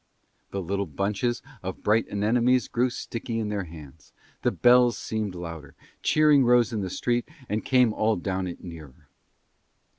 The little bunches of bright anemones grew sticky in their hands: the bells seemed louder: cheering rose in the street and came all down it nearer.